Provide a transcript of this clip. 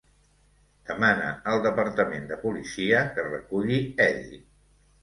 Demana al departament de policia que reculli Eddie.